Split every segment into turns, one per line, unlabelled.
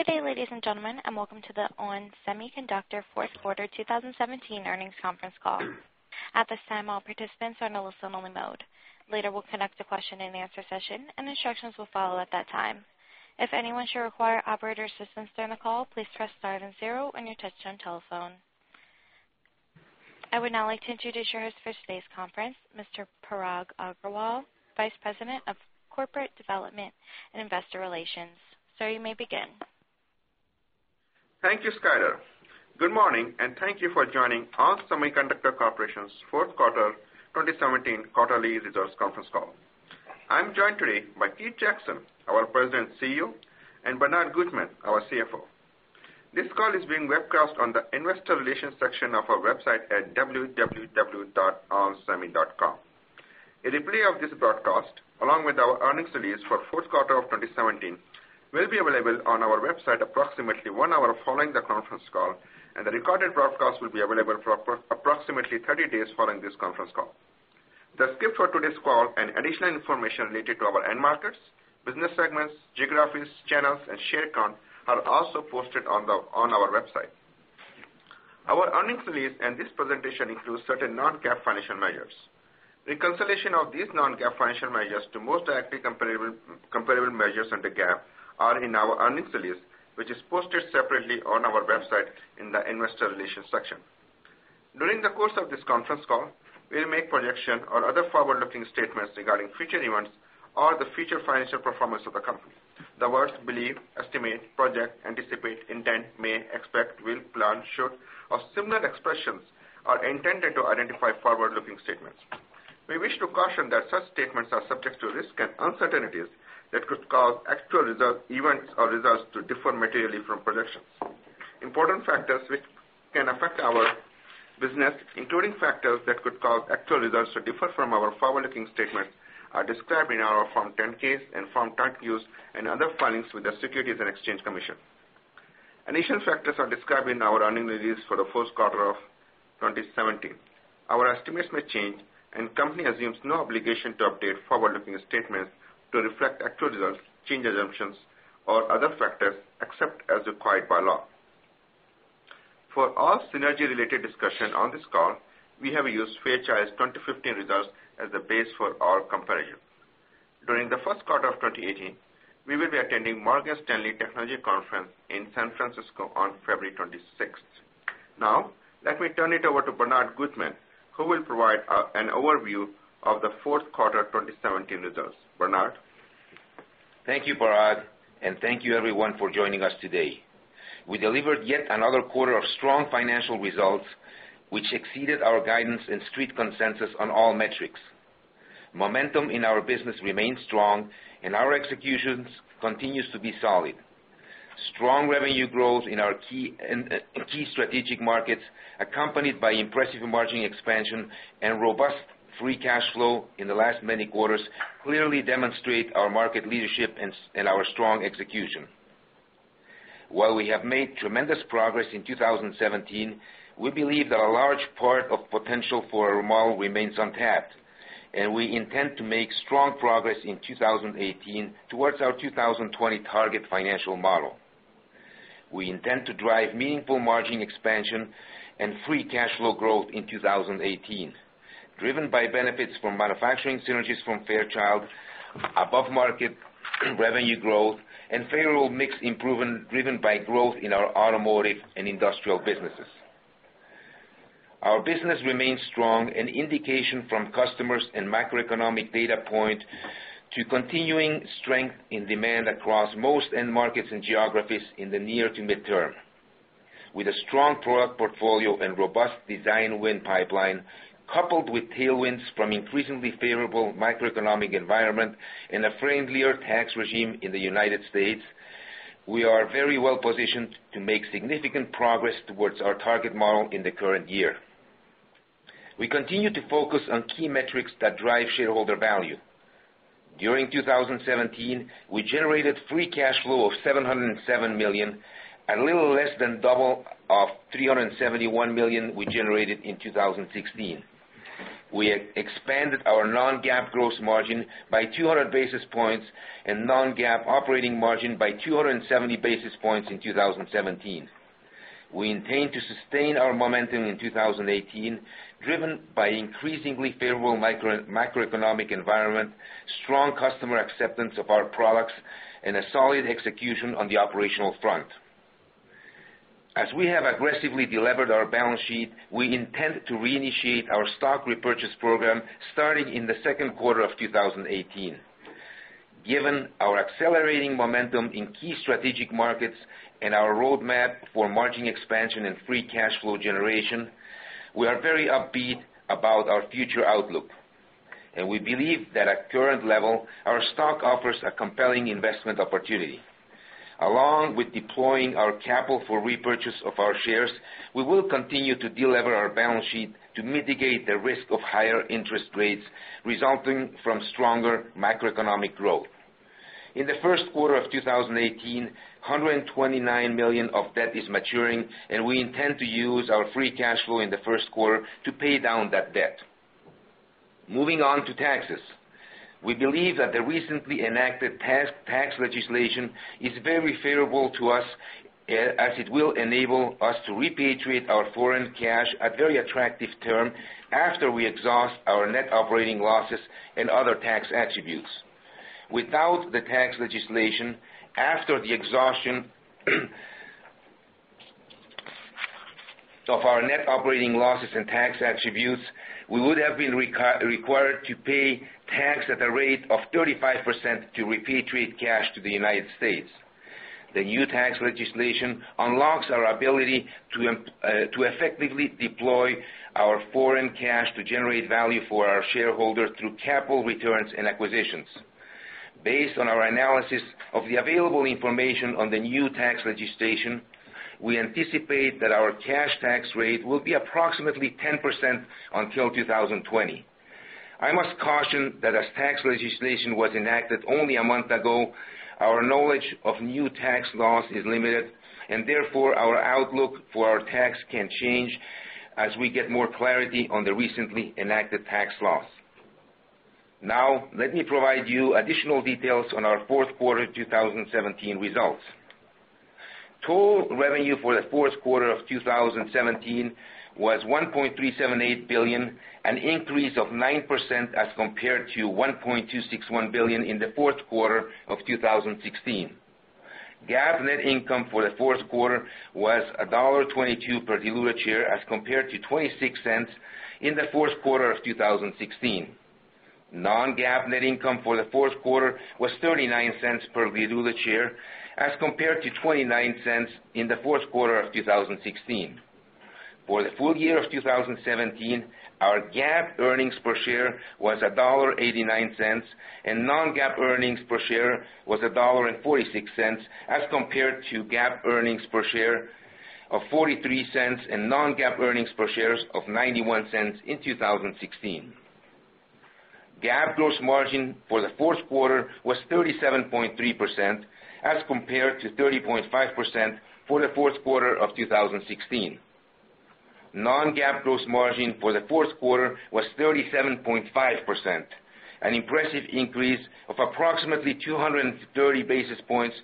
Good day, ladies and gentlemen, and welcome to the ON Semiconductor fourth quarter 2017 earnings conference call. At this time, all participants are in listen only mode. Later, we'll conduct a question and answer session, and instructions will follow at that time. If anyone should require operator assistance during the call, please press star and zero on your touchtone telephone. I would now like to introduce your host for today's conference, Mr. Parag Agarwal, Vice President of Corporate Development and Investor Relations. Sir, you may begin.
Thank you, Skylar. Good morning, thank you for joining ON Semiconductor Corporation's fourth quarter 2017 quarterly results conference call. I'm joined today by Keith Jackson, our President and CEO, and Bernard Gutmann, our CFO. This call is being webcast on the investor relations section of our website at www.onsemi.com. A replay of this broadcast, along with our earnings release for fourth quarter of 2017, will be available on our website approximately one hour following the conference call, the recorded broadcast will be available for approximately 30 days following this conference call. The script for today's call and additional information related to our end markets, business segments, geographies, channels, and share count are also posted on our website. Our earnings release and this presentation includes certain non-GAAP financial measures. Reconciliation of these non-GAAP financial measures to most directly comparable measures under GAAP are in our earnings release, which is posted separately on our website in the investor relations section. During the course of this conference call, we'll make projection or other forward-looking statements regarding future events or the future financial performance of the company. The words believe, estimate, project, anticipate, intend, may, expect, will, plan, should, or similar expressions are intended to identify forward-looking statements. We wish to caution that such statements are subject to risks and uncertainties that could cause actual results, events, or results to differ materially from projections. Important factors which can affect our business, including factors that could cause actual results to differ from our forward-looking statements, are described in our Form 10-K and Form 10-Q and other filings with the Securities and Exchange Commission. Additional factors are described in our earnings release for the fourth quarter of 2017. Our estimates may change, company assumes no obligation to update forward-looking statements to reflect actual results, change assumptions, or other factors, except as required by law. For all synergy-related discussion on this call, we have used Fairchild's 2015 results as the base for all comparison. During the first quarter of 2018, we will be attending Morgan Stanley Technology Conference in San Francisco on February 26th. Let me turn it over to Bernard Gutmann, who will provide an overview of the fourth quarter 2017 results. Bernard?
Thank you, Parag, and thank you, everyone, for joining us today. We delivered yet another quarter of strong financial results, which exceeded our guidance and street consensus on all metrics. Momentum in our business remains strong, and our execution continues to be solid. Strong revenue growth in our key strategic markets, accompanied by impressive margin expansion and robust free cash flow in the last many quarters, clearly demonstrate our market leadership and our strong execution. While we have made tremendous progress in 2017, we believe that a large part of potential for our model remains untapped, and we intend to make strong progress in 2018 towards our 2020 target financial model. We intend to drive meaningful margin expansion and free cash flow growth in 2018, driven by benefits from manufacturing synergies from Fairchild, above-market revenue growth, and favorable mix improvement driven by growth in our automotive and industrial businesses. Our business remains strong, an indication from customers and macroeconomic data point to continuing strength in demand across most end markets and geographies in the near to midterm. With a strong product portfolio and robust design win pipeline, coupled with tailwinds from increasingly favorable macroeconomic environment and a friendlier tax regime in the United States, we are very well positioned to make significant progress towards our target model in the current year. We continue to focus on key metrics that drive shareholder value. During 2017, we generated free cash flow of $707 million, a little less than double of $371 million we generated in 2016. We expanded our non-GAAP gross margin by 200 basis points and non-GAAP operating margin by 270 basis points in 2017. We intend to sustain our momentum in 2018, driven by increasingly favorable macroeconomic environment, strong customer acceptance of our products, and a solid execution on the operational front. As we have aggressively delevered our balance sheet, we intend to reinitiate our stock repurchase program starting in the second quarter of 2018. Given our accelerating momentum in key strategic markets and our roadmap for margin expansion and free cash flow generation, we are very upbeat about our future outlook, and we believe that at current level, our stock offers a compelling investment opportunity. Along with deploying our capital for repurchase of our shares, we will continue to delever our balance sheet to mitigate the risk of higher interest rates resulting from stronger macroeconomic growth. In the first quarter of 2018, $129 million of debt is maturing, and we intend to use our free cash flow in the first quarter to pay down that debt. Moving on to taxes. We believe that the recently enacted tax legislation is very favorable to us, as it will enable us to repatriate our foreign cash at very attractive term after we exhaust our net operating losses and other tax attributes. Without the tax legislation, after the exhaustion of our net operating losses and tax attributes, we would have been required to pay tax at a rate of 35% to repatriate cash to the United States. The new tax legislation unlocks our ability to effectively deploy our foreign cash to generate value for our shareholders through capital returns and acquisitions. Based on our analysis of the available information on the new tax legislation, we anticipate that our cash tax rate will be approximately 10% until 2020. I must caution that as tax legislation was enacted only a month ago, our knowledge of new tax laws is limited, therefore, our outlook for our tax can change as we get more clarity on the recently enacted tax laws. Let me provide you additional details on our fourth quarter 2017 results. Total revenue for the fourth quarter of 2017 was $1.378 billion, an increase of 9% as compared to $1.261 billion in the fourth quarter of 2016. GAAP net income for the fourth quarter was $1.22 per diluted share as compared to $0.26 in the fourth quarter of 2016. Non-GAAP net income for the fourth quarter was $0.39 per diluted share as compared to $0.29 in the fourth quarter of 2016. For the full year of 2017, our GAAP earnings per share was $1.89, Non-GAAP earnings per share was $1.46 as compared to GAAP earnings per share of $0.43 Non-GAAP earnings per shares of $0.91 in 2016. GAAP gross margin for the fourth quarter was 37.3% as compared to 30.5% for the fourth quarter of 2016. Non-GAAP gross margin for the fourth quarter was 37.5%, an impressive increase of approximately 230 basis points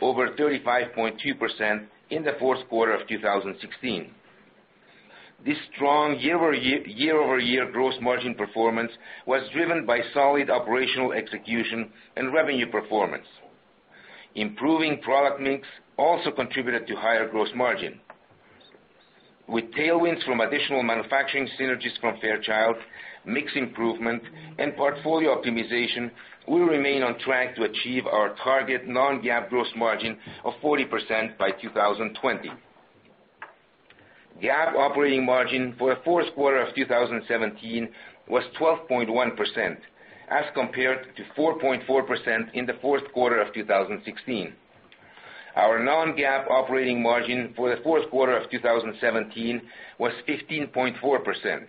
over 35.2% in the fourth quarter of 2016. This strong year-over-year gross margin performance was driven by solid operational execution and revenue performance. Improving product mix also contributed to higher gross margin. With tailwinds from additional manufacturing synergies from Fairchild, mix improvement, and portfolio optimization, we remain on track to achieve our target non-GAAP gross margin of 40% by 2020. GAAP operating margin for the fourth quarter of 2017 was 12.1% as compared to 4.4% in the fourth quarter of 2016. Our non-GAAP operating margin for the fourth quarter of 2017 was 15.4%,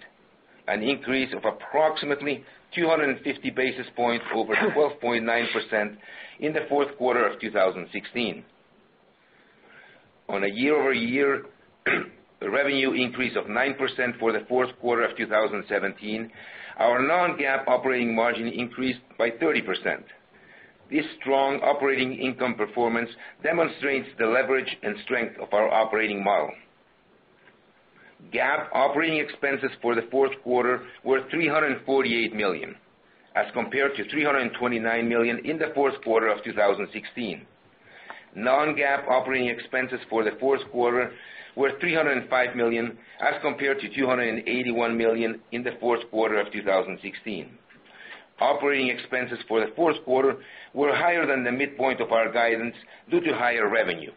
an increase of approximately 250 basis points over 12.9% in the fourth quarter of 2016. On a year-over-year revenue increase of 9% for the fourth quarter of 2017, our non-GAAP operating margin increased by 30%. This strong operating income performance demonstrates the leverage and strength of our operating model. GAAP operating expenses for the fourth quarter were $348 million as compared to $329 million in the fourth quarter of 2016. Non-GAAP operating expenses for the fourth quarter were $305 million as compared to $281 million in the fourth quarter of 2016. Operating expenses for the fourth quarter were higher than the midpoint of our guidance due to higher revenue.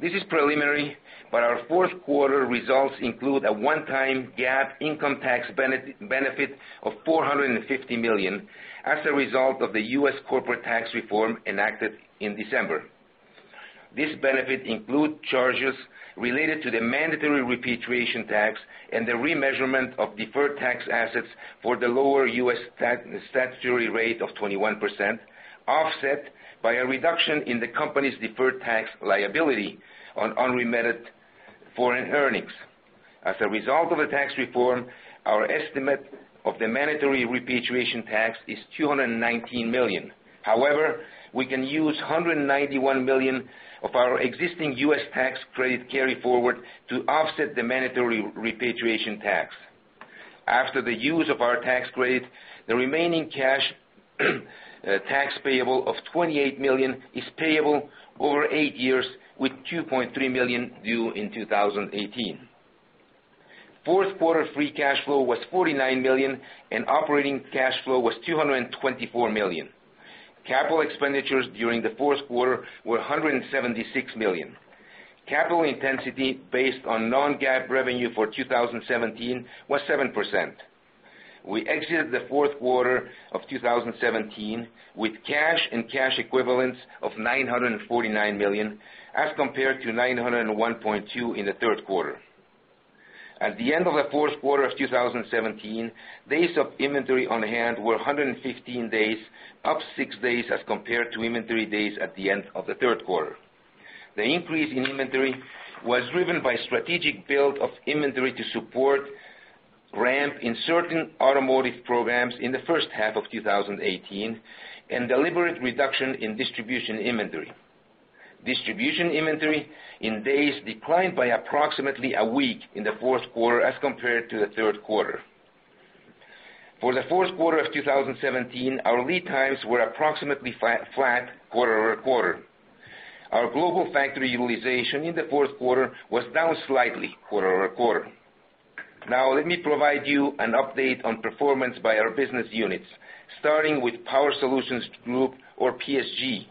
This is preliminary, but our fourth-quarter results include a one-time GAAP income tax benefit of $450 million as a result of the U.S. corporate tax reform enacted in December. This benefit include charges related to the mandatory repatriation tax and the remeasurement of deferred tax assets for the lower U.S. statutory rate of 21%, offset by a reduction in the company's deferred tax liability on unremitted foreign earnings. As a result of the tax reform, our estimate of the mandatory repatriation tax is $219 million. We can use $191 million of our existing U.S. tax credit carryforward to offset the mandatory repatriation tax. After the use of our tax credit, the remaining cash tax payable of $28 million is payable over eight years, with $2.3 million due in 2018. Fourth-quarter free cash flow was $49 million, and operating cash flow was $224 million. Capital expenditures during the fourth quarter were $176 million. Capital intensity based on non-GAAP revenue for 2017 was 7%. We exited the fourth quarter of 2017 with cash and cash equivalents of $949 million as compared to $901.2 in the third quarter. At the end of the fourth quarter of 2017, days of inventory on hand were 115 days, up six days as compared to inventory days at the end of the third quarter. The increase in inventory was driven by strategic build of inventory to support ramp in certain automotive programs in the first half of 2018 and deliberate reduction in distribution inventory. Distribution inventory in days declined by approximately a week in the fourth quarter as compared to the third quarter. For the fourth quarter of 2017, our lead times were approximately flat quarter-over-quarter. Our global factory utilization in the fourth quarter was down slightly quarter-over-quarter. Let me provide you an update on performance by our business units, starting with Power Solutions Group, or PSG.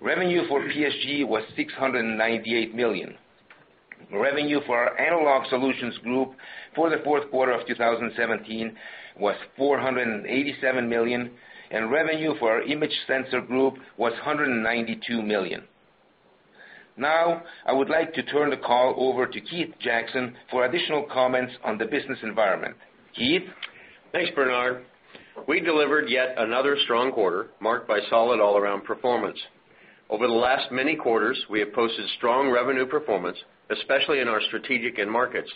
Revenue for PSG was $698 million. Revenue for our Analog Solutions Group for the fourth quarter of 2017 was $487 million, and revenue for our Image Sensor Group was $192 million. I would like to turn the call over to Keith Jackson for additional comments on the business environment. Keith?
Thanks, Bernard. We delivered yet another strong quarter, marked by solid all around performance. Over the last many quarters, we have posted strong revenue performance, especially in our strategic end markets.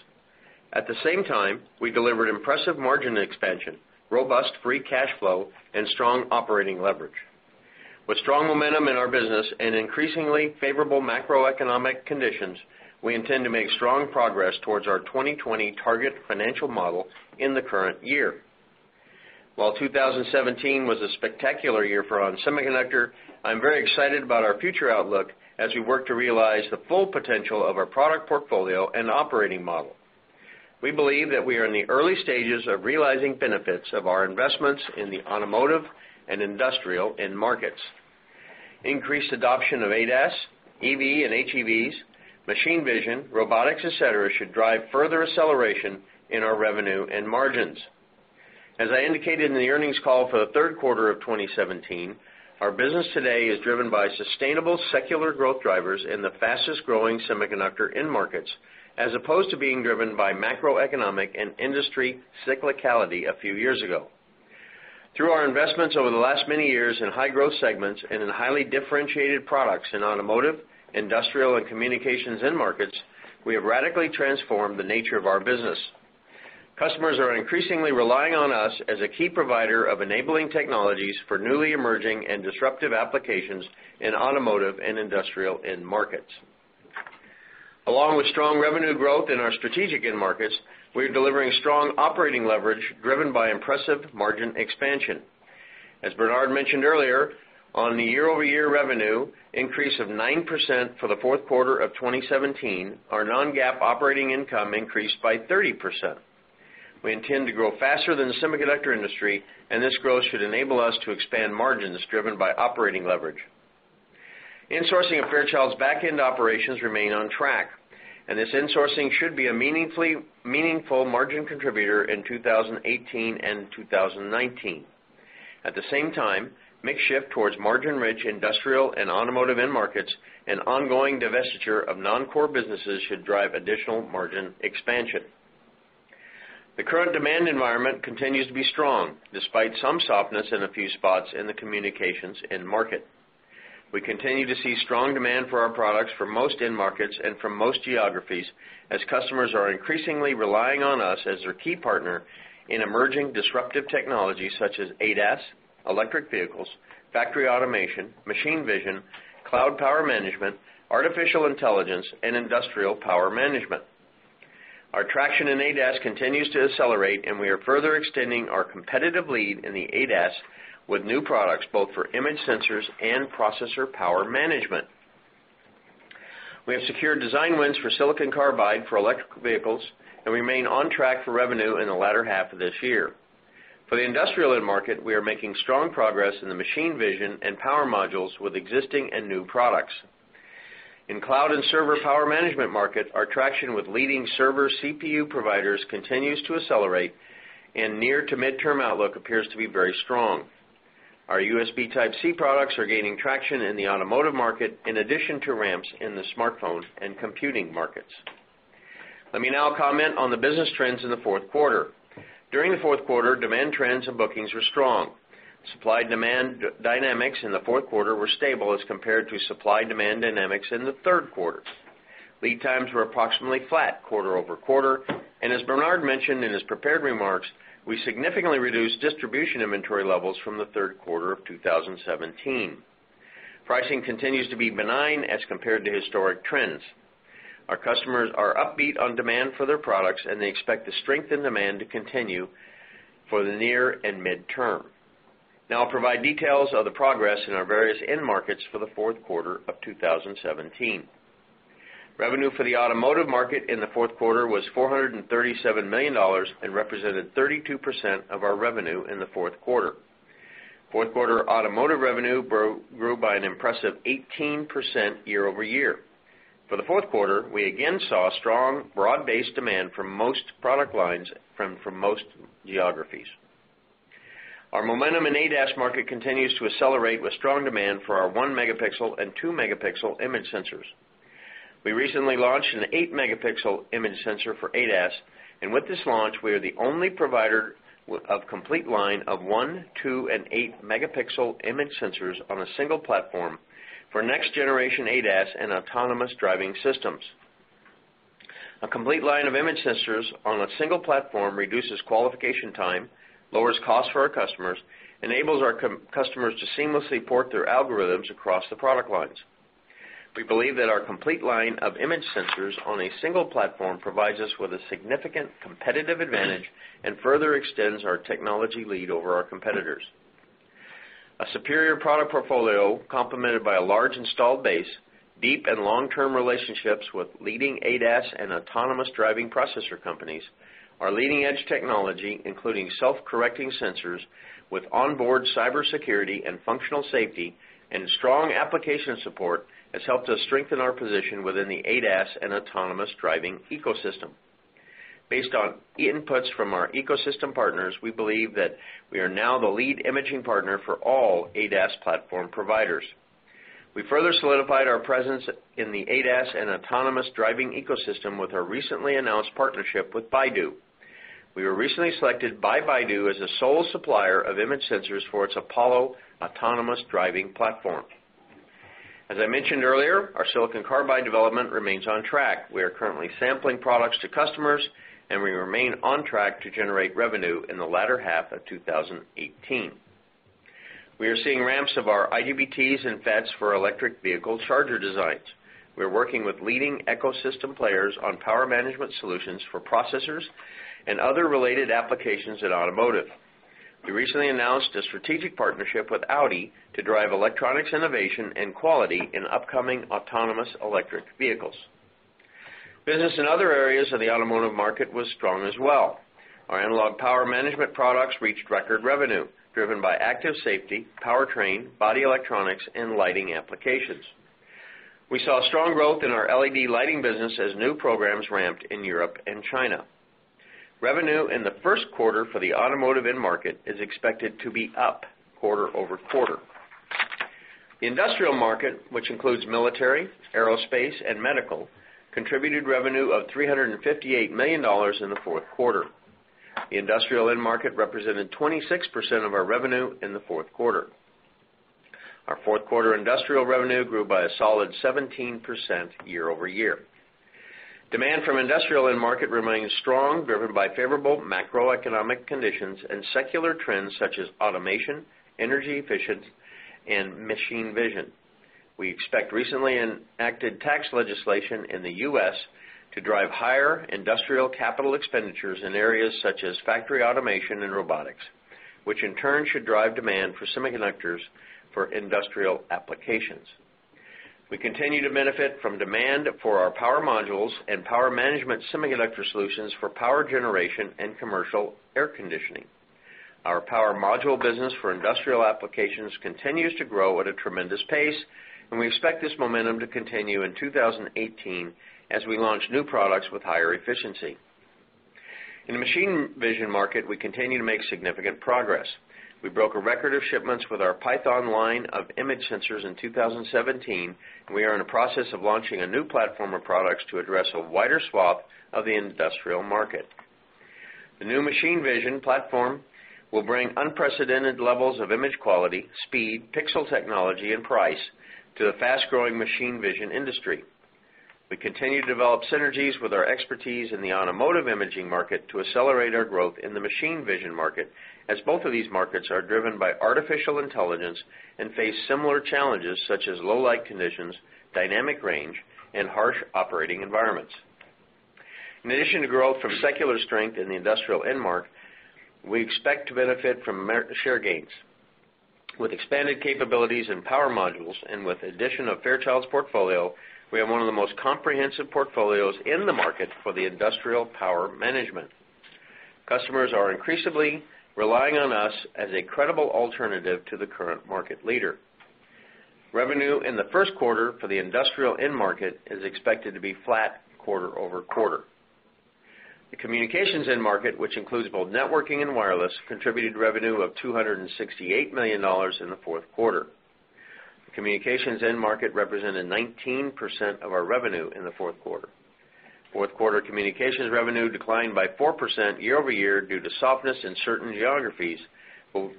At the same time, we delivered impressive margin expansion, robust free cash flow, and strong operating leverage. With strong momentum in our business and increasingly favorable macroeconomic conditions, we intend to make strong progress towards our 2020 target financial model in the current year. While 2017 was a spectacular year for ON Semiconductor, I'm very excited about our future outlook as we work to realize the full potential of our product portfolio and operating model. We believe that we are in the early stages of realizing benefits of our investments in the automotive and industrial end markets. Increased adoption of ADAS, EV and HEVs, machine vision, robotics, et cetera, should drive further acceleration in our revenue and margins. As I indicated in the earnings call for the third quarter of 2017, our business today is driven by sustainable secular growth drivers in the fastest-growing semiconductor end markets, as opposed to being driven by macroeconomic and industry cyclicality a few years ago. Through our investments over the last many years in high growth segments and in highly differentiated products in automotive, industrial, and communications end markets, we have radically transformed the nature of our business. Customers are increasingly relying on us as a key provider of enabling technologies for newly emerging and disruptive applications in automotive and industrial end markets. Along with strong revenue growth in our strategic end markets, we're delivering strong operating leverage driven by impressive margin expansion. As Bernard mentioned earlier, on the year-over-year revenue increase of 9% for the fourth quarter of 2017, our non-GAAP operating income increased by 30%. We intend to grow faster than the semiconductor industry, this growth should enable us to expand margins driven by operating leverage. Insourcing of Fairchild's back-end operations remain on track, this insourcing should be a meaningful margin contributor in 2018 and 2019. At the same time, mix shift towards margin-rich industrial and automotive end markets and ongoing divestiture of non-core businesses should drive additional margin expansion. The current demand environment continues to be strong, despite some softness in a few spots in the communications end market. We continue to see strong demand for our products from most end markets and from most geographies as customers are increasingly relying on us as their key partner in emerging disruptive technologies such as ADAS, electric vehicles, factory automation, machine vision, cloud power management, artificial intelligence, and industrial power management. Our traction in ADAS continues to accelerate, we are further extending our competitive lead in the ADAS with new products both for image sensors and processor power management. We have secured design wins for silicon carbide for electric vehicles and remain on track for revenue in the latter half of this year. For the industrial end market, we are making strong progress in the machine vision and power modules with existing and new products. In cloud and server power management market, our traction with leading server CPU providers continues to accelerate and near to midterm outlook appears to be very strong. Our USB Type-C products are gaining traction in the automotive market in addition to ramps in the smartphone and computing markets. Let me now comment on the business trends in the fourth quarter. During the fourth quarter, demand trends and bookings were strong. Supply-demand dynamics in the fourth quarter were stable as compared to supply-demand dynamics in the third quarter. Lead times were approximately flat quarter-over-quarter, as Bernard mentioned in his prepared remarks, we significantly reduced distribution inventory levels from the third quarter of 2017. Pricing continues to be benign as compared to historic trends. Our customers are upbeat on demand for their products, they expect the strength in demand to continue for the near and midterm. Now I'll provide details of the progress in our various end markets for the fourth quarter of 2017. Revenue for the automotive market in the fourth quarter was $437 million and represented 32% of our revenue in the fourth quarter. Fourth quarter automotive revenue grew by an impressive 18% year-over-year. For the fourth quarter, we again saw strong broad-based demand from most product lines from most geographies. Our momentum in ADAS market continues to accelerate with strong demand for our one-megapixel and two-megapixel image sensors. We recently launched an eight-megapixel image sensor for ADAS, with this launch, we are the only provider of complete line of one, two, and eight-megapixel image sensors on a single platform for next generation ADAS and autonomous driving systems. A complete line of image sensors on a single platform reduces qualification time, lowers costs for our customers, enables our customers to seamlessly port their algorithms across the product lines. We believe that our complete line of image sensors on a single platform provides us with a significant competitive advantage and further extends our technology lead over our competitors. A superior product portfolio, complemented by a large installed base, deep and long-term relationships with leading ADAS and autonomous driving processor companies, our leading-edge technology, including self-correcting sensors with onboard cybersecurity and functional safety, and strong application support has helped us strengthen our position within the ADAS and autonomous driving ecosystem. Based on inputs from our ecosystem partners, we believe that we are now the lead imaging partner for all ADAS platform providers. We further solidified our presence in the ADAS and autonomous driving ecosystem with our recently announced partnership with Baidu. We were recently selected by Baidu as the sole supplier of image sensors for its Apollo autonomous driving platform. As I mentioned earlier, our silicon carbide development remains on track. We are currently sampling products to customers, and we remain on track to generate revenue in the latter half of 2018. We are seeing ramps of our IGBTs and FETs for electric vehicle charger designs. We're working with leading ecosystem players on power management solutions for processors and other related applications in automotive. We recently announced a strategic partnership with Audi to drive electronics innovation and quality in upcoming autonomous electric vehicles. Business in other areas of the automotive market was strong as well. Our analog power management products reached record revenue, driven by active safety, powertrain, body electronics, and lighting applications. We saw strong growth in our LED lighting business as new programs ramped in Europe and China. Revenue in the first quarter for the automotive end market is expected to be up quarter-over-quarter. The industrial market, which includes military, aerospace, and medical, contributed revenue of $358 million in the fourth quarter. The industrial end market represented 26% of our revenue in the fourth quarter. Our fourth quarter industrial revenue grew by a solid 17% year-over-year. Demand from industrial end market remains strong, driven by favorable macroeconomic conditions and secular trends such as automation, energy efficiency, and machine vision. Which in turn should drive demand for semiconductors for industrial applications. We expect recently enacted tax legislation in the U.S. to drive higher industrial capital expenditures in areas such as factory automation and robotics. We continue to benefit from demand for our power modules and power management semiconductor solutions for power generation and commercial air conditioning. Our power module business for industrial applications continues to grow at a tremendous pace, and we expect this momentum to continue in 2018 as we launch new products with higher efficiency. In the machine vision market, we continue to make significant progress. We broke a record of shipments with our PYTHON line of image sensors in 2017. We are in the process of launching a new platform of products to address a wider swath of the industrial market. The new machine vision platform will bring unprecedented levels of image quality, speed, pixel technology, and price to the fast-growing machine vision industry. We continue to develop synergies with our expertise in the automotive imaging market to accelerate our growth in the machine vision market, as both of these markets are driven by artificial intelligence and face similar challenges such as low light conditions, dynamic range, and harsh operating environments. In addition to growth from secular strength in the industrial end market, we expect to benefit from share gains. With expanded capabilities and power modules, and with the addition of Fairchild's portfolio, we have one of the most comprehensive portfolios in the market for the industrial power management. Customers are increasingly relying on us as a credible alternative to the current market leader. Revenue in the first quarter for the industrial end market is expected to be flat quarter-over-quarter. The communications end market, which includes both networking and wireless, contributed revenue of $268 million in the fourth quarter. The communications end market represented 19% of our revenue in the fourth quarter. Fourth quarter communications revenue declined by 4% year-over-year due to softness in certain geographies,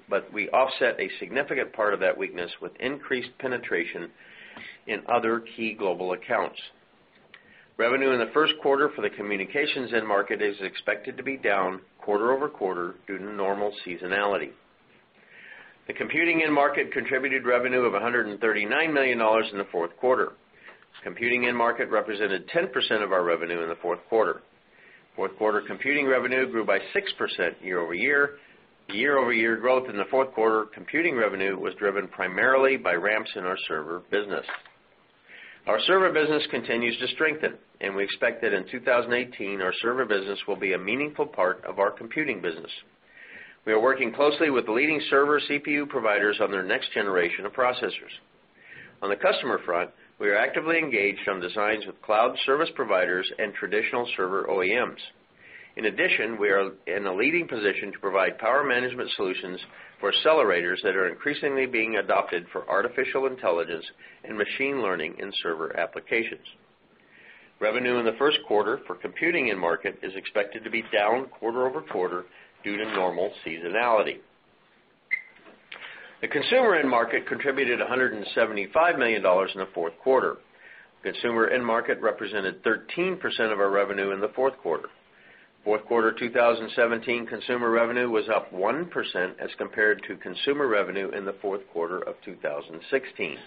but we offset a significant part of that weakness with increased penetration in other key global accounts. Revenue in the first quarter for the communications end market is expected to be down quarter-over-quarter due to normal seasonality. The computing end market contributed revenue of $139 million in the fourth quarter. Computing end market represented 10% of our revenue in the fourth quarter. Fourth quarter computing revenue grew by 6% year-over-year. Year-over-year growth in the fourth quarter computing revenue was driven primarily by ramps in our server business. Our server business continues to strengthen, and we expect that in 2018, our server business will be a meaningful part of our computing business. We are working closely with leading server CPU providers on their next generation of processors. On the customer front, we are actively engaged on designs with cloud service providers and traditional server OEMs. In addition, we are in a leading position to provide power management solutions for accelerators that are increasingly being adopted for artificial intelligence and machine learning in server applications. Revenue in the first quarter for computing end market is expected to be down quarter-over-quarter due to normal seasonality. The consumer end market contributed $175 million in the fourth quarter. Consumer end market represented 13% of our revenue in the fourth quarter. Fourth quarter 2017 consumer revenue was up 1% as compared to consumer revenue in the fourth quarter of 2016.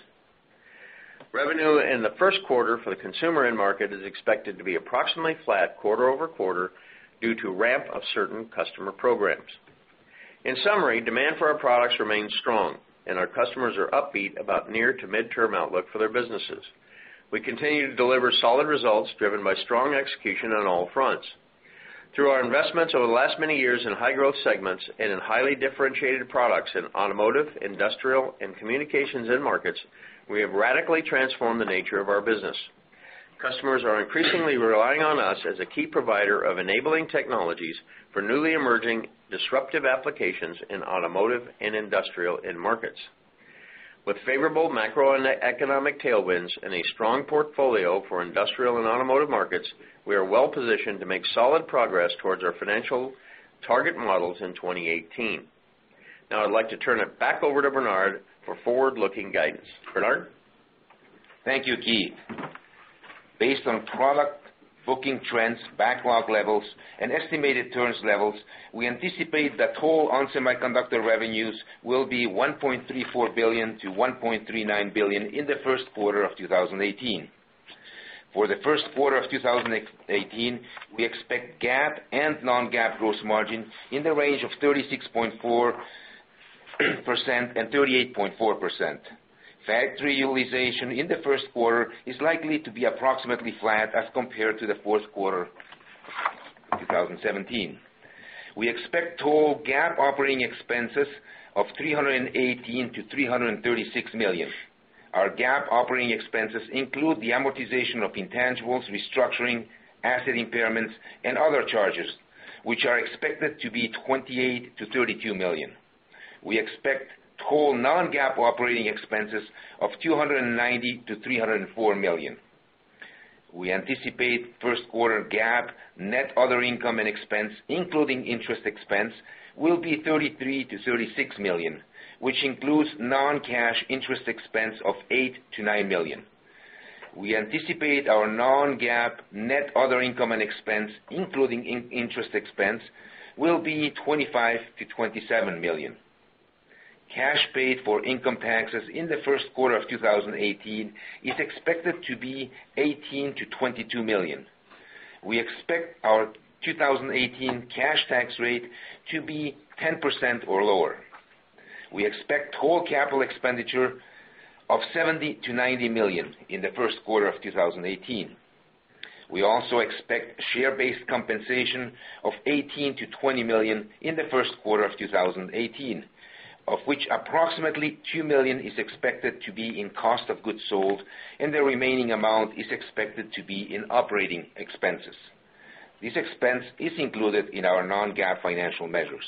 Revenue in the first quarter for the consumer end market is expected to be approximately flat quarter-over-quarter due to ramp of certain customer programs. In summary, demand for our products remains strong, and our customers are upbeat about near to midterm outlook for their businesses. We continue to deliver solid results driven by strong execution on all fronts. Through our investments over the last many years in high growth segments and in highly differentiated products in automotive, industrial, and communications end markets, we have radically transformed the nature of our business. Customers are increasingly relying on us as a key provider of enabling technologies for newly emerging disruptive applications in automotive and industrial end markets. With favorable macroeconomic tailwinds and a strong portfolio for industrial and automotive markets, we are well-positioned to make solid progress towards our financial target models in 2018. I'd like to turn it back over to Bernard for forward-looking guidance. Bernard?
Thank you, Keith. Based on product booking trends, backlog levels, and estimated turns levels, we anticipate that total ON Semiconductor revenues will be $1.34 billion-$1.39 billion in the first quarter of 2018. For the first quarter of 2018, we expect GAAP and non-GAAP gross margin in the range of 36.4%-38.4%. Factory utilization in the first quarter is likely to be approximately flat as compared to the fourth quarter 2017. We expect total GAAP operating expenses of $318 million-$336 million. Our GAAP operating expenses include the amortization of intangibles, restructuring, asset impairments, and other charges, which are expected to be $28 million-$32 million. We expect total non-GAAP operating expenses of $290 million-$304 million. We anticipate first quarter GAAP net other income and expense, including interest expense, will be $33 million-$36 million, which includes non-cash interest expense of $8 million-$9 million. We anticipate our non-GAAP net other income and expense, including interest expense, will be $25 million-$27 million. Cash paid for income taxes in the first quarter of 2018 is expected to be $18 million-$22 million. We expect our 2018 cash tax rate to be 10% or lower. We expect total capital expenditure of $70 million-$90 million in the first quarter of 2018. We also expect share-based compensation of $18 million-$20 million in the first quarter of 2018, of which approximately $2 million is expected to be in cost of goods sold and the remaining amount is expected to be in operating expenses. This expense is included in our non-GAAP financial measures.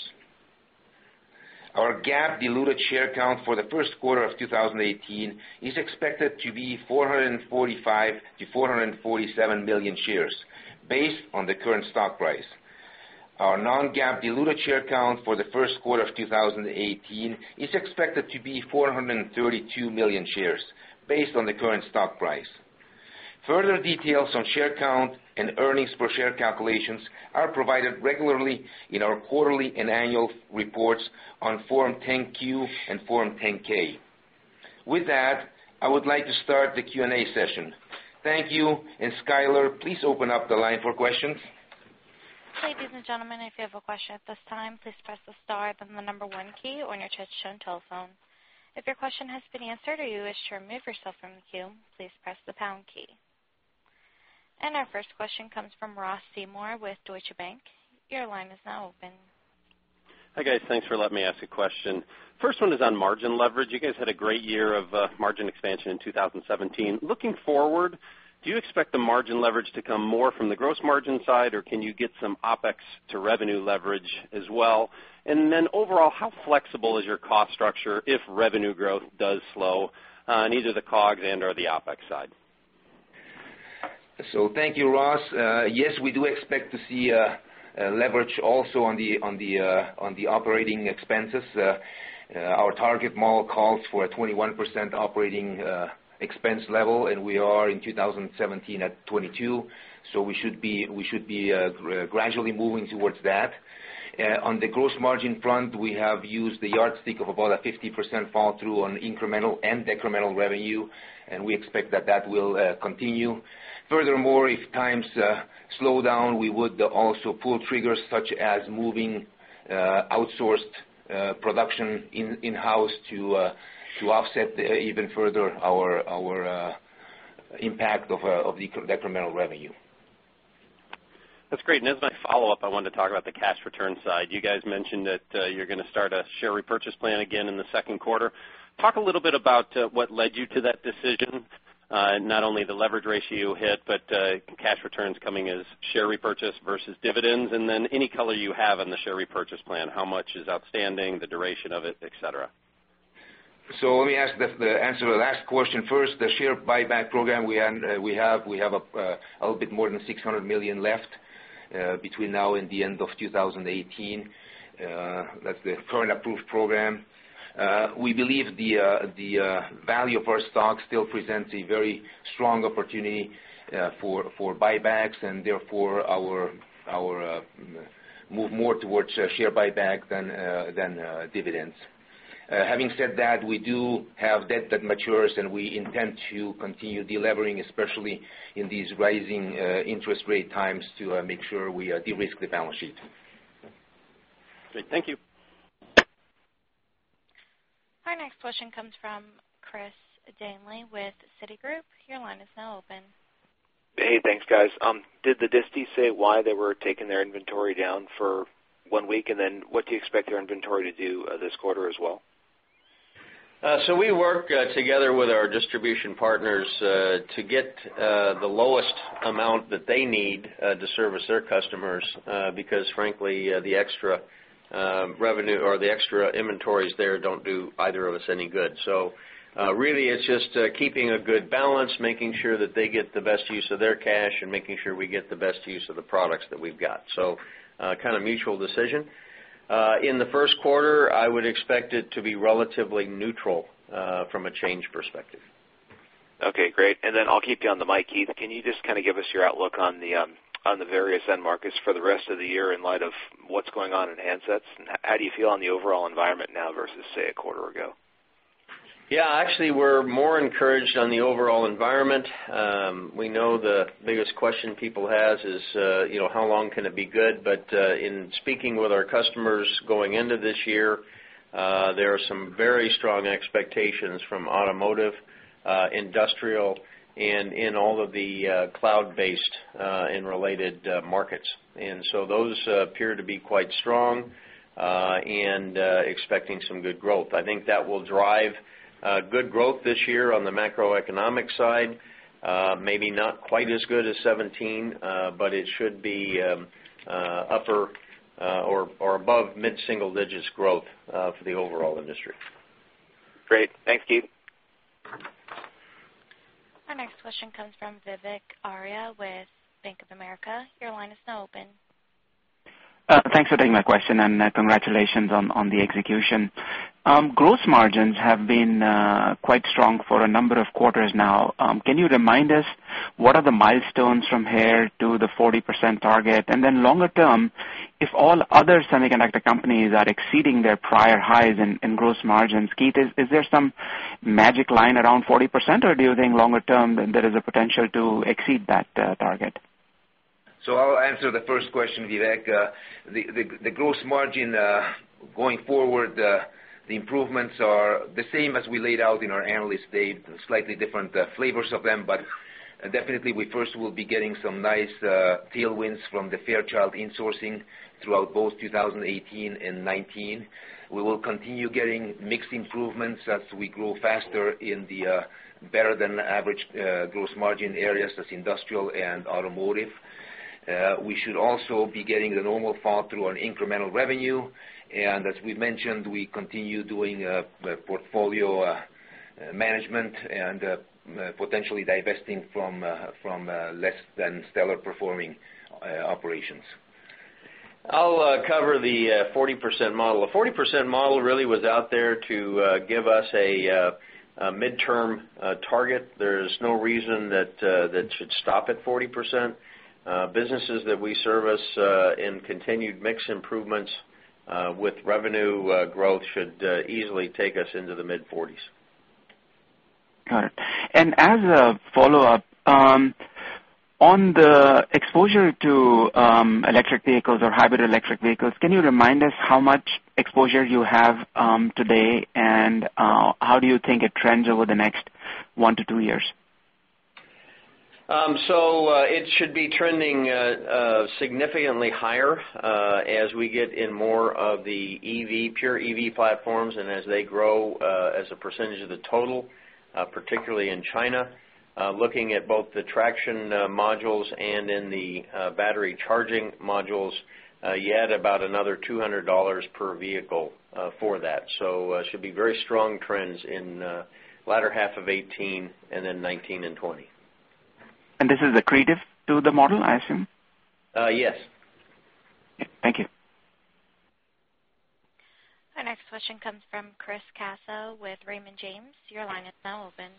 Our GAAP diluted share count for the first quarter of 2018 is expected to be 445 million-447 million shares based on the current stock price. Our non-GAAP diluted share count for the first quarter of 2018 is expected to be 432 million shares based on the current stock price. Further details on share count and earnings per share calculations are provided regularly in our quarterly and annual reports on Form 10-Q and Form 10-K. With that, I would like to start the Q&A session. Thank you, Skyler, please open up the line for questions.
Ladies and gentlemen, if you have a question at this time, please press the star then the number 1 key on your touchtone telephone. If your question has been answered or you wish to remove yourself from the queue, please press the pound key. Our first question comes from Ross Seymore with Deutsche Bank. Your line is now open.
Hi, guys. Thanks for letting me ask a question. First one is on margin leverage. You guys had a great year of margin expansion in 2017. Looking forward, do you expect the margin leverage to come more from the gross margin side, or can you get some OpEx to revenue leverage as well? Overall, how flexible is your cost structure if revenue growth does slow on either the COGS and/or the OpEx side?
Thank you, Ross. Yes, we do expect to see leverage also on the operating expenses. Our target model calls for a 21% operating expense level, and we are in 2017 at 22%, so we should be gradually moving towards that. On the gross margin front, we have used the yardstick of about a 50% fall through on incremental and decremental revenue, and we expect that that will continue. Furthermore, if times slow down, we would also pull triggers such as moving outsourced production in-house to offset even further our impact of decremental revenue.
That's great. As my follow-up, I wanted to talk about the cash return side. You guys mentioned that you're going to start a share repurchase plan again in the second quarter. Talk a little bit about what led you to that decision, not only the leverage ratio hit, but cash returns coming as share repurchase versus dividends. Any color you have on the share repurchase plan, how much is outstanding, the duration of it, et cetera.
Let me answer the last question first. The share buyback program we have a little bit more than $600 million left between now and the end of 2018. That's the current approved program. We believe the value of our stock still presents a very strong opportunity for buybacks and therefore our move more towards share buyback than dividends. Having said that, we do have debt that matures, and we intend to continue delevering, especially in these rising interest rate times, to make sure we de-risk the balance sheet.
Great. Thank you.
Our next question comes from Chris Danely with Citigroup. Your line is now open.
Hey, thanks guys. Did the disti say why they were taking their inventory down for one week? Then what do you expect their inventory to do this quarter as well?
We work together with our distribution partners to get the lowest amount that they need to service their customers, because frankly, the extra revenue or the extra inventories there don't do either of us any good. Really it's just keeping a good balance, making sure that they get the best use of their cash, and making sure we get the best use of the products that we've got. Kind of mutual decision. In the first quarter, I would expect it to be relatively neutral from a change perspective.
Okay, great. I'll keep you on the mic, Keith. Can you just kind of give us your outlook on the various end markets for the rest of the year in light of what's going on in handsets? How do you feel on the overall environment now versus, say, a quarter ago?
Yeah, actually, we're more encouraged on the overall environment. We know the biggest question people have is how long can it be good? In speaking with our customers going into this year, there are some very strong expectations from automotive, industrial, and in all of the cloud-based and related markets. Those appear to be quite strong and expecting some good growth. I think that will drive good growth this year on the macroeconomic side. Maybe not quite as good as 2017, but it should be upper or above mid-single digits growth for the overall industry.
Great. Thanks, Keith.
Our next question comes from Vivek Arya with Bank of America. Your line is now open.
Thanks for taking my question. Congratulations on the execution. Gross margins have been quite strong for a number of quarters now. Can you remind us what are the milestones from here to the 40% target? Longer term, if all other semiconductor companies are exceeding their prior highs in gross margins, Keith, is there some magic line around 40%, or do you think longer term there is a potential to exceed that target?
I'll answer the first question, Vivek. The gross margin going forward, the improvements are the same as we laid out in our analyst day, slightly different flavors of them. Definitely we first will be getting some nice tailwinds from the Fairchild insourcing throughout both 2018 and 2019. We will continue getting mixed improvements as we grow faster in the better-than-average gross margin areas as industrial and automotive. We should also be getting the normal fall-through on incremental revenue. As we mentioned, we continue doing portfolio management and potentially divesting from less than stellar performing operations.
I'll cover the 40% model. A 40% model really was out there to give us a midterm target. There's no reason that should stop at 40%. Businesses that we service in continued mix improvements with revenue growth should easily take us into the mid-40s.
Got it. As a follow-up, on the exposure to electric vehicles or hybrid electric vehicles, can you remind us how much exposure you have today and how do you think it trends over the next one to two years?
It should be trending significantly higher as we get in more of the pure EV platforms and as they grow as a percentage of the total, particularly in China. Looking at both the traction modules and in the battery charging modules, you add about another $200 per vehicle for that. Should be very strong trends in the latter half of 2018 and then 2019 and 2020.
This is accretive to the model, I assume?
Yes.
Thank you.
Our next question comes from Chris Caso with Raymond James. Your line is now open.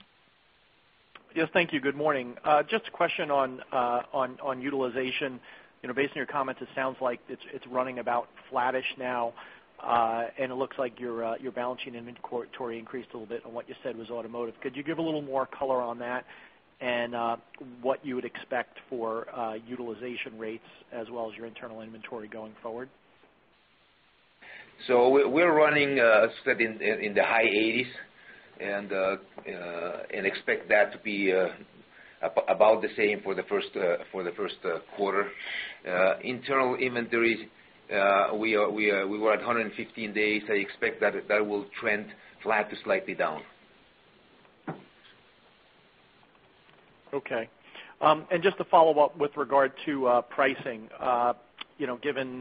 Yes. Thank you. Good morning. Just a question on utilization. Based on your comments, it sounds like it's running about flattish now. It looks like your balancing inventory increased a little bit on what you said was automotive. Could you give a little more color on that and what you would expect for utilization rates as well as your internal inventory going forward?
We're running steady in the high 80s and expect that to be about the same for the first quarter. Internal inventories, we were at 115 days. I expect that will trend flat to slightly down.
Okay. Just to follow up with regard to pricing, given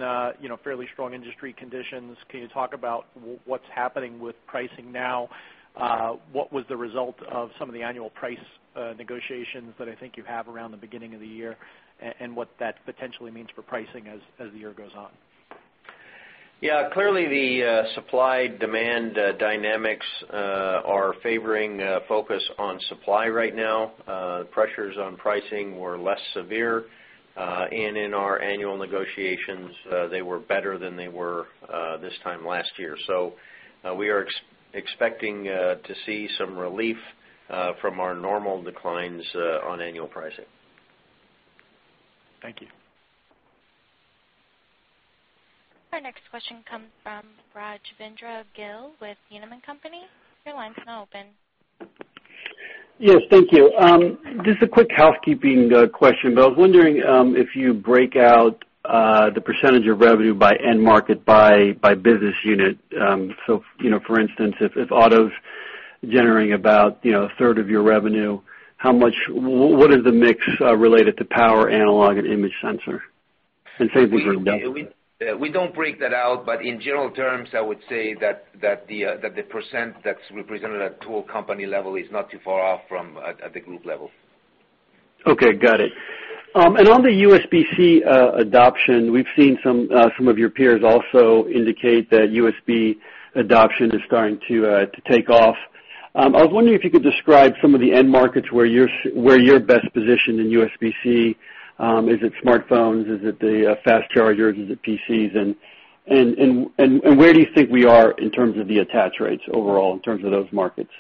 fairly strong industry conditions, can you talk about what's happening with pricing now? What was the result of some of the annual price negotiations that I think you have around the beginning of the year, and what that potentially means for pricing as the year goes on?
Yeah, clearly the supply-demand dynamics are favoring focus on supply right now. Pressures on pricing were less severe. In our annual negotiations, they were better than they were this time last year. We are expecting to see some relief from our normal declines on annual pricing.
Thank you.
Our next question comes from Rajvindra Gill with Needham & Company. Your line's now open.
Yes, thank you. Just a quick housekeeping question. I was wondering if you break out the percentage of revenue by end market, by business unit. For instance, if auto's generating about a third of your revenue, what is the mix related to power, analog, and image sensor? Say if it's revealed.
We don't break that out. In general terms, I would say that the percent that's represented at total company level is not too far off from at the group level.
Okay, got it. On the USB-C adoption, we've seen some of your peers also indicate that USB adoption is starting to take off. I was wondering if you could describe some of the end markets where you're best positioned in USB-C. Is it smartphones? Is it the fast chargers? Is it PCs? Where do you think we are in terms of the attach rates overall in terms of those markets?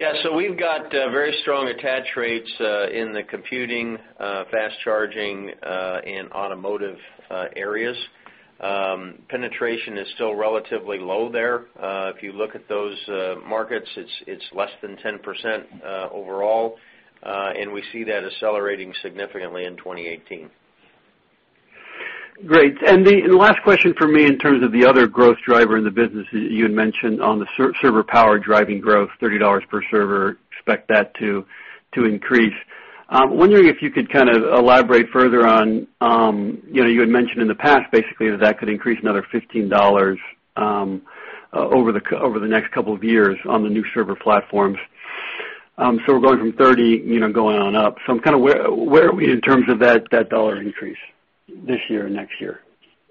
We've got very strong attach rates in the computing, fast charging, and automotive areas. Penetration is still relatively low there. If you look at those markets, it's less than 10% overall, and we see that accelerating significantly in 2018.
Great. The last question from me in terms of the other growth driver in the business is you had mentioned on the server power driving growth, $30 per server, expect that to increase. I'm wondering if you could kind of elaborate further on, you had mentioned in the past basically that could increase another $15 over the next couple of years on the new server platforms. We're going from 30 going on up. Where are we in terms of that dollar increase this year and next year?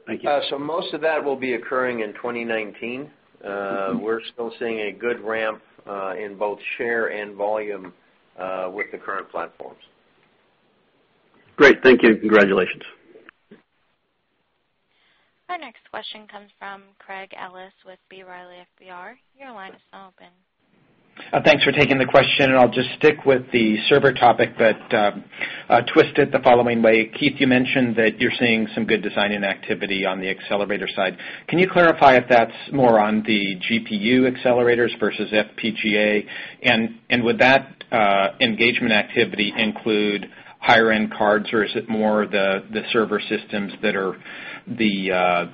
Thank you.
Most of that will be occurring in 2019. We're still seeing a good ramp in both share and volume with the current platforms.
Great. Thank you. Congratulations.
Our next question comes from Craig Ellis with B. Riley FBR. Your line is now open.
Thanks for taking the question, and I'll just stick with the server topic, but twist it the following way. Keith, you mentioned that you're seeing some good design-in activity on the accelerator side. Can you clarify if that's more on the GPU accelerators versus FPGA, and would that engagement activity include higher-end cards, or is it more the server systems that are the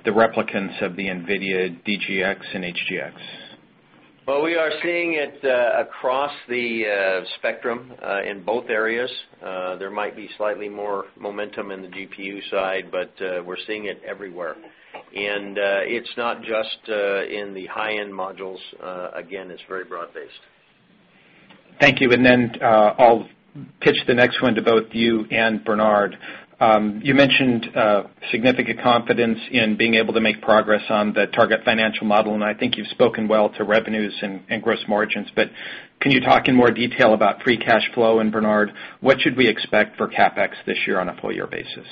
replicants of the NVIDIA DGX and HGX?
Well, we are seeing it across the spectrum in both areas. There might be slightly more momentum in the GPU side, but we're seeing it everywhere. It's not just in the high-end modules. Again, it's very broad-based.
Thank you. Then I'll pitch the next one to both you and Bernard. You mentioned significant confidence in being able to make progress on the target financial model, I think you've spoken well to revenues and gross margins. Can you talk in more detail about free cash flow? Bernard, what should we expect for CapEx this year on a full-year basis?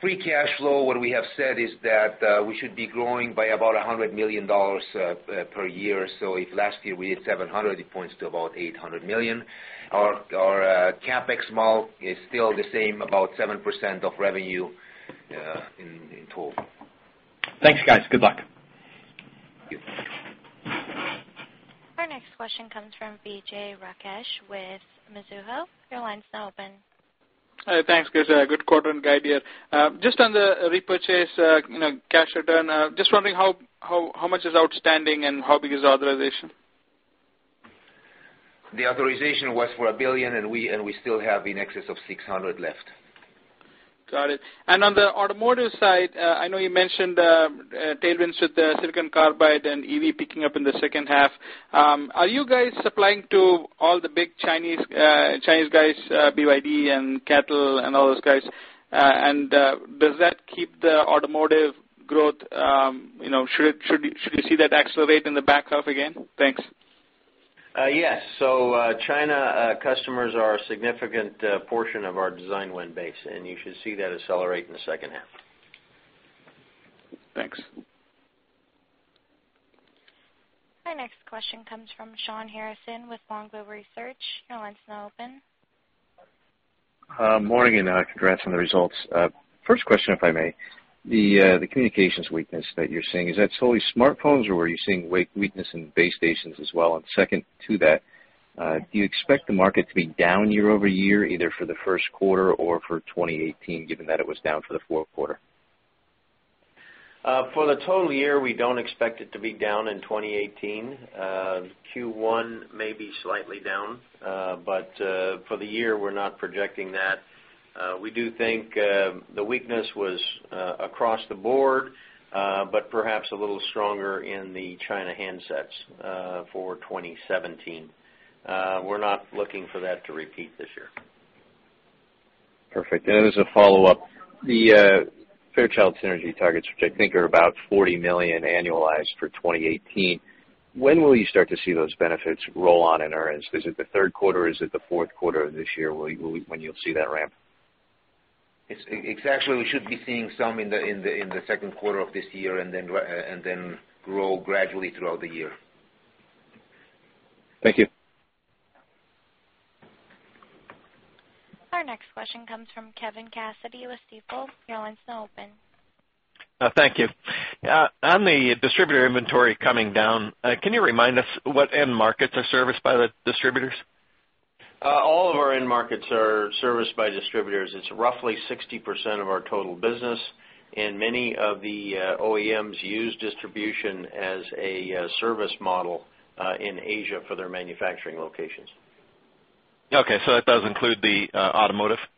Free cash flow, what we have said is that we should be growing by about $100 million per year. If last year we did $700 million, it points to about $800 million. Our CapEx model is still the same, about 7% of revenue in total.
Thanks, guys. Good luck.
Thank you.
Our next question comes from Vijay Rakesh with Mizuho. Your line's now open.
Thanks, guys. Good quarter and guide year. Just on the repurchase cash return, just wondering how much is outstanding and how big is the authorization?
The authorization was for $1 billion, we still have in excess of $600 left.
Got it. On the automotive side, I know you mentioned the tailwinds with the silicon carbide and EV picking up in the second half. Are you guys supplying to all the big Chinese guys, BYD and CATL and all those guys? Does that keep the automotive growth, should we see that accelerate in the back half again? Thanks.
Yes. China customers are a significant portion of our design win base, and you should see that accelerate in the second half.
Thanks.
Our next question comes from Shawn Harrison with Longbow Research. Your line's now open.
Morning, congrats on the results. First question, if I may. The communications weakness that you're seeing, is that solely smartphones or are you seeing weakness in base stations as well? Second to that, do you expect the market to be down year-over-year, either for the first quarter or for 2018, given that it was down for the fourth quarter?
For the total year, we don't expect it to be down in 2018. Q1 may be slightly down. For the year, we're not projecting that. We do think the weakness was across the board. Perhaps a little stronger in the China handsets for 2017. We're not looking for that to repeat this year.
Perfect. As a follow-up, the Fairchild synergy targets, which I think are about $40 million annualized for 2018, when will you start to see those benefits roll on in earnings? Is it the third quarter? Is it the fourth quarter of this year when you'll see that ramp?
Exactly. We should be seeing some in the second quarter of this year. Then grow gradually throughout the year.
Thank you.
Our next question comes from Kevin Cassidy with Stifel. Your line's now open.
Thank you. On the distributor inventory coming down, can you remind us what end markets are serviced by the distributors?
All of our end markets are serviced by distributors. It's roughly 60% of our total business, many of the OEMs use distribution as a service model in Asia for their manufacturing locations.
Okay, that does include the automotive market?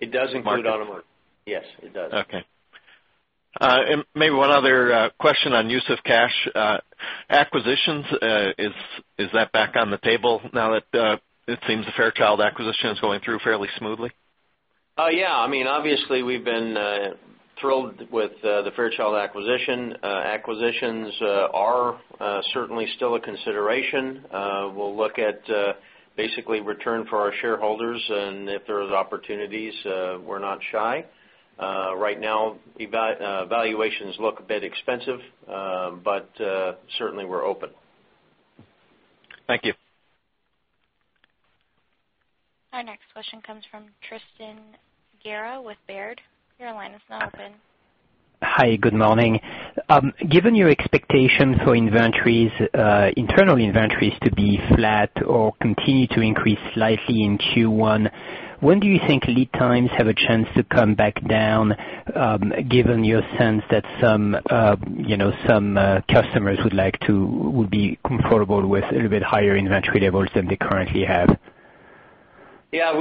It does include automotive. Yes, it does.
Okay. Maybe one other question on use of cash. Acquisitions, is that back on the table now that it seems the Fairchild acquisition is going through fairly smoothly?
Yeah. Obviously, we've been thrilled with the Fairchild acquisition. Acquisitions are certainly still a consideration. We'll look at basically return for our shareholders, and if there are opportunities, we're not shy. Right now, valuations look a bit expensive, but certainly we're open.
Thank you.
Our next question comes from Tristan Gerra with Baird. Your line is now open.
Hi, good morning. Given your expectation for internal inventories to be flat or continue to increase slightly in Q1, when do you think lead times have a chance to come back down, given your sense that some customers would be comfortable with a little bit higher inventory levels than they currently have?
Yeah.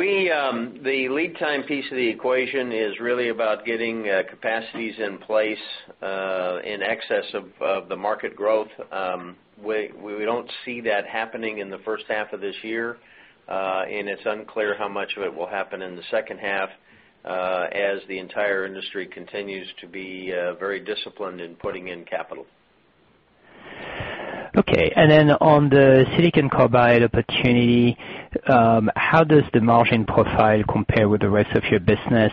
The lead time piece of the equation is really about getting capacities in place in excess of the market growth. We don't see that happening in the first half of this year, and it's unclear how much of it will happen in the second half as the entire industry continues to be very disciplined in putting in capital.
Okay. Then on the silicon carbide opportunity, how does the margin profile compare with the rest of your business?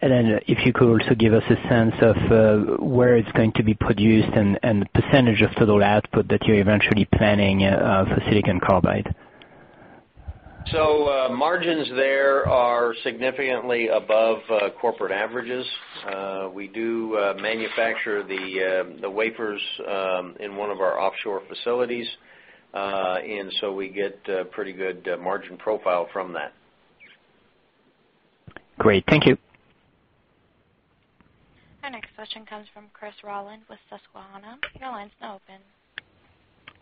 Then if you could also give us a sense of where it's going to be produced and the percentage of total output that you're eventually planning for silicon carbide.
margins there are significantly above corporate averages. We do manufacture the wafers in one of our offshore facilities, and so we get pretty good margin profile from that.
Great. Thank you.
Our next question comes from Chris Rolland with Susquehanna. Your line's now open.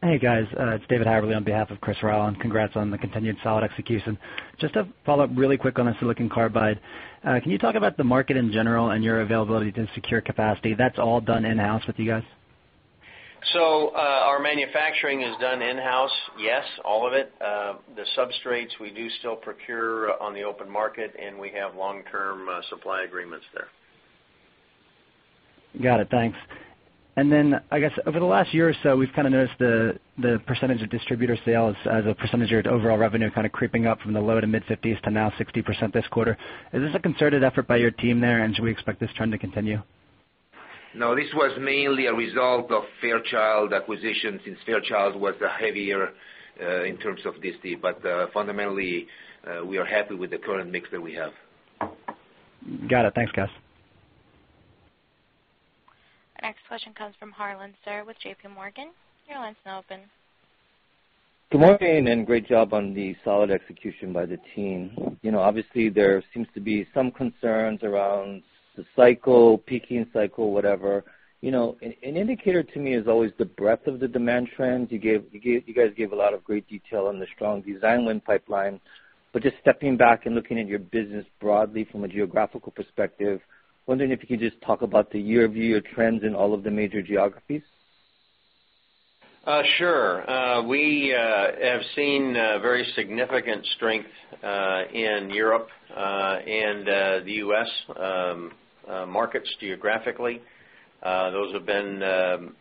Hey, guys. It's David Haverly on behalf of Chris Rolland. Congrats on the continued solid execution. Just to follow up really quick on the silicon carbide, can you talk about the market in general and your availability to secure capacity? That's all done in-house with you guys?
Our manufacturing is done in-house, yes, all of it. The substrates we do still procure on the open market, and we have long-term supply agreements there.
Got it. Thanks. I guess over the last year or so, we've kind of noticed the percentage of distributor sales as a percentage of your overall revenue kind of creeping up from the low to mid-50s to now 60% this quarter. Is this a concerted effort by your team there, and should we expect this trend to continue?
No, this was mainly a result of Fairchild acquisition, since Fairchild was heavier in terms of this deal. Fundamentally, we are happy with the current mix that we have.
Got it. Thanks, guys.
Our next question comes from Harlan Sur with J.P. Morgan. Your line's now open.
Good morning, great job on the solid execution by the team. Obviously, there seems to be some concerns around the cycle, peaking cycle, whatever. An indicator to me is always the breadth of the demand trends. You guys gave a lot of great detail on the strong design win pipeline. Just stepping back and looking at your business broadly from a geographical perspective, wondering if you could just talk about the year-over-year trends in all of the major geographies.
Sure. We have seen very significant strength in Europe and the U.S. markets geographically. Those have been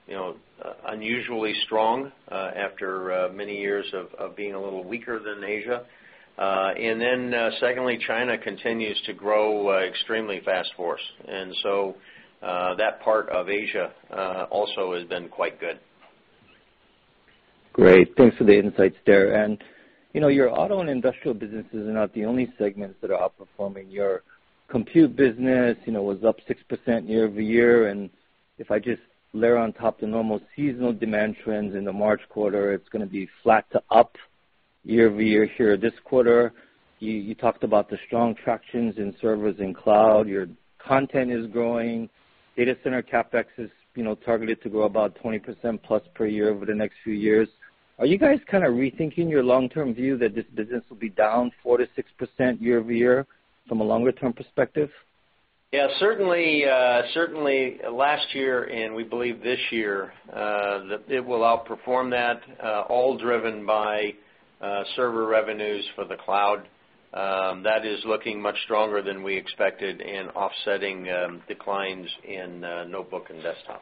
unusually strong after many years of being a little weaker than Asia. Secondly, China continues to grow extremely fast for us. That part of Asia also has been quite good.
Great. Thanks for the insights there. Your auto and industrial businesses are not the only segments that are outperforming. Your compute business was up 6% year-over-year, and if I just layer on top the normal seasonal demand trends in the March quarter, it's going to be flat to up year-over-year here this quarter. You talked about the strong tractions in servers in cloud. Your content is growing. Data center CapEx is targeted to grow about 20%+ per year over the next few years. Are you guys rethinking your long-term view that this business will be down 4%-6% year-over-year from a longer-term perspective?
Yeah, certainly last year and we believe this year, that it will outperform that, all driven by server revenues for the cloud. That is looking much stronger than we expected and offsetting declines in notebook and desktop.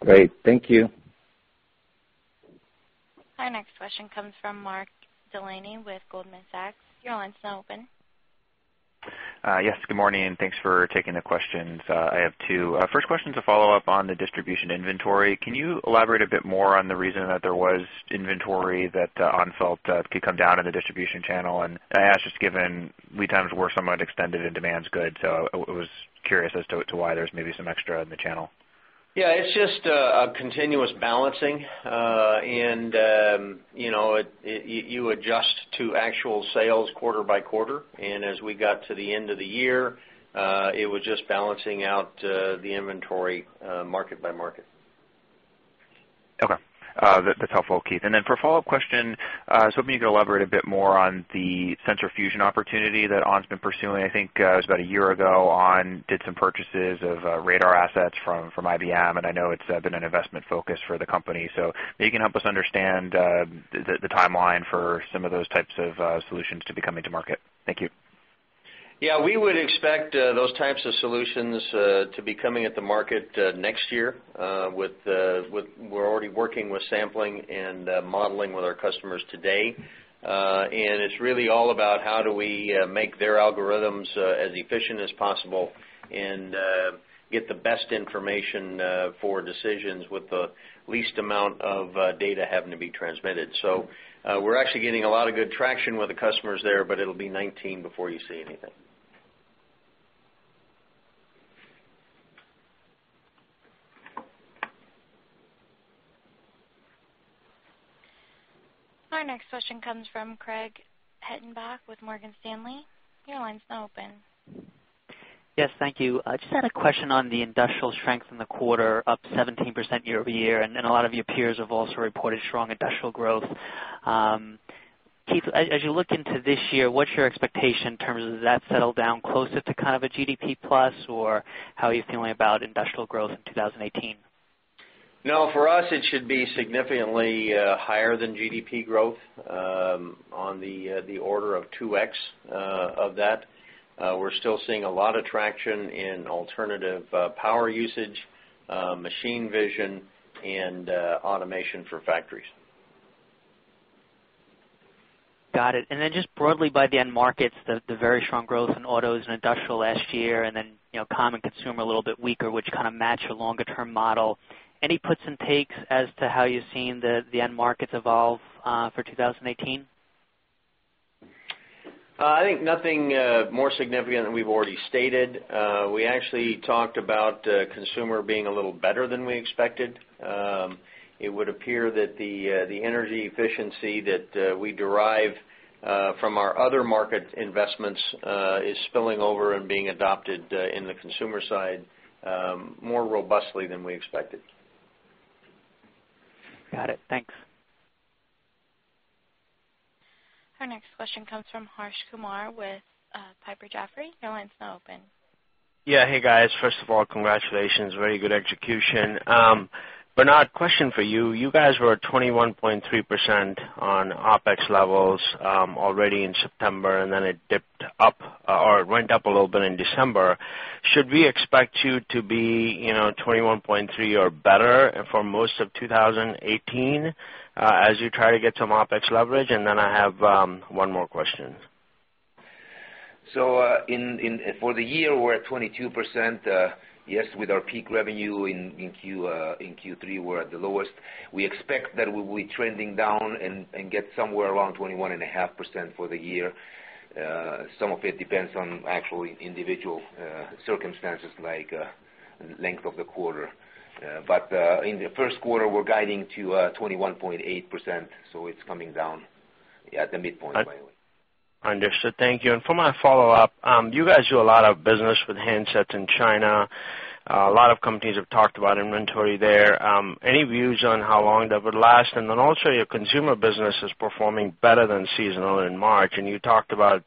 Great. Thank you.
Our next question comes from Mark Delaney with Goldman Sachs. Your line's now open.
Yes, good morning. Thanks for taking the questions. I have two. First question to follow up on the distribution inventory. Can you elaborate a bit more on the reason that there was inventory that ON felt could come down in the distribution channel? I ask just given lead times were somewhat extended and demand's good, so I was curious as to why there's maybe some extra in the channel.
it's just a continuous balancing. You adjust to actual sales quarter by quarter. As we got to the end of the year, it was just balancing out the inventory market by market.
Okay. That's helpful, Keith. For a follow-up question, I was hoping you could elaborate a bit more on the sensor fusion opportunity that ON's been pursuing. I think it was about a year ago, ON did some purchases of radar assets from IBM, I know it's been an investment focus for the company. Maybe you can help us understand the timeline for some of those types of solutions to be coming to market. Thank you.
Yeah, we would expect those types of solutions to be coming at the market next year. We're already working with sampling and modeling with our customers today. It's really all about how do we make their algorithms as efficient as possible and get the best information for decisions with the least amount of data having to be transmitted. We're actually getting a lot of good traction with the customers there, but it'll be 2019 before you see anything.
Our next question comes from Craig Hettenbach with Morgan Stanley. Your line's now open.
Yes, thank you. I just had a question on the industrial strength in the quarter, up 17% year-over-year. A lot of your peers have also reported strong industrial growth. Keith, as you look into this year, what's your expectation in terms of does that settle down closer to kind of a GDP plus, or how are you feeling about industrial growth in 2018?
No, for us, it should be significantly higher than GDP growth, on the order of 2X of that. We're still seeing a lot of traction in alternative power usage, machine vision, and automation for factories.
Got it. Just broadly by the end markets, the very strong growth in autos and industrial last year, then comm and consumer a little bit weaker, which kind of match your longer-term model. Any puts and takes as to how you're seeing the end markets evolve for 2018?
I think nothing more significant than we've already stated. We actually talked about consumer being a little better than we expected. It would appear that the energy efficiency that we derive from our other market investments is spilling over and being adopted in the consumer side more robustly than we expected.
Got it. Thanks.
Our next question comes from Harsh Kumar with Piper Jaffray. Your line's now open.
Yeah. Hey, guys. First of all, congratulations. Very good execution. Bernard, question for you. You guys were at 21.3% on OpEx levels already in September, and then it dipped up or it went up a little bit in December. Should we expect you to be 21.3% or better for most of 2018 as you try to get some OpEx leverage? I have one more question.
For the year, we're at 22%. Yes, with our peak revenue in Q3, we're at the lowest. We expect that we'll be trending down and get somewhere around 21.5% for the year. Some of it depends on actual individual circumstances like length of the quarter. In the first quarter, we're guiding to 21.8%, it's coming down at the midpoint, by the way.
Understood. Thank you. For my follow-up, you guys do a lot of business with handsets in China. A lot of companies have talked about inventory there. Any views on how long that would last? Then also, your consumer business is performing better than seasonal in March, and you talked about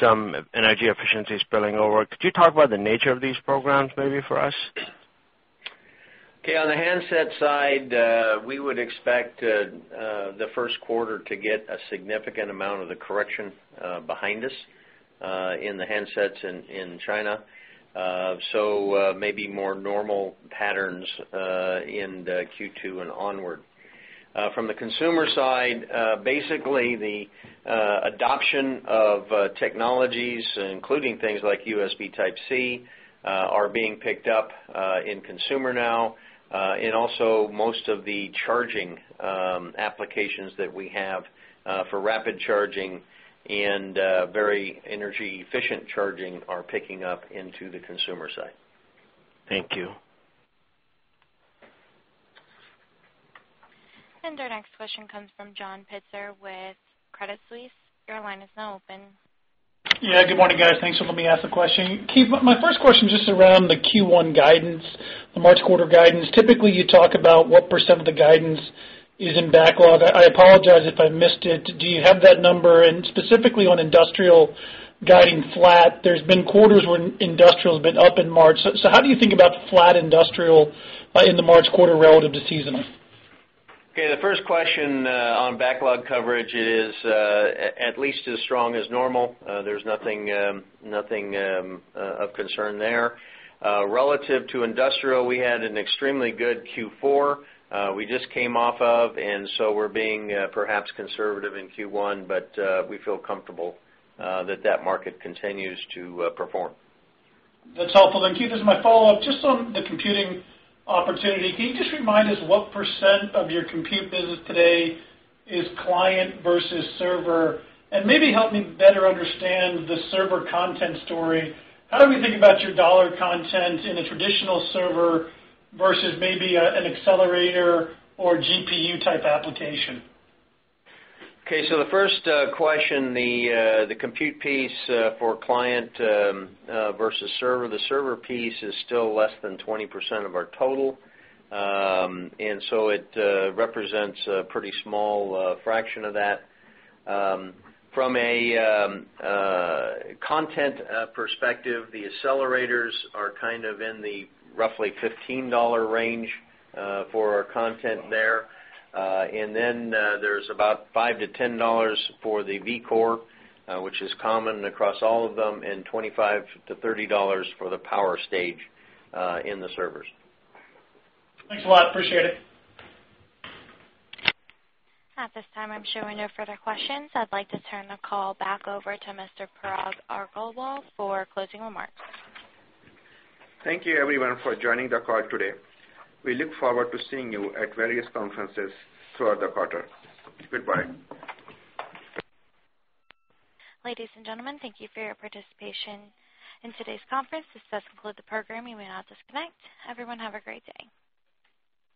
some energy efficiency spilling over. Could you talk about the nature of these programs maybe for us?
Okay, on the handset side, we would expect the first quarter to get a significant amount of the correction behind us in the handsets in China. Maybe more normal patterns in Q2 and onward. From the consumer side, basically the adoption of technologies, including things like USB Type-C, are being picked up in consumer now. Also most of the charging applications that we have for rapid charging and very energy-efficient charging are picking up into the consumer side.
Thank you.
Our next question comes from John Pitzer with Credit Suisse. Your line is now open.
Yeah, good morning, guys. Thanks for letting me ask the question. Keith, my first question is just around the Q1 guidance, the March quarter guidance. Typically, you talk about what % of the guidance is in backlog. I apologize if I missed it. Do you have that number? Specifically on industrial guiding flat, there's been quarters when industrial's been up in March. How do you think about flat industrial in the March quarter relative to seasonal?
Okay, the first question on backlog coverage is at least as strong as normal. There's nothing of concern there. Relative to industrial, we had an extremely good Q4 we just came off of, and so we're being perhaps conservative in Q1, but we feel comfortable that that market continues to perform.
That's helpful. Keith, as my follow-up, just on the computing opportunity, can you just remind us what % of your compute business today is client versus server? Maybe help me better understand the server content story. How do we think about your dollar content in a traditional server versus maybe an accelerator or GPU-type application?
Okay, the first question, the compute piece for client versus server. The server piece is still less than 20% of our total. It represents a pretty small fraction of that. From a content perspective, the accelerators are kind of in the roughly $15 range for our content there. There's about $5-$10 for the vCore, which is common across all of them, and $25-$30 for the power stage in the servers.
Thanks a lot. Appreciate it.
At this time, I'm showing no further questions. I'd like to turn the call back over to Mr. Parag Agarwal for closing remarks.
Thank you everyone for joining the call today. We look forward to seeing you at various conferences throughout the quarter. Goodbye.
Ladies and gentlemen, thank you for your participation in today's conference. This does conclude the program. You may now disconnect. Everyone have a great day.